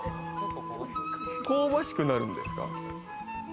香ばしくなるんですか？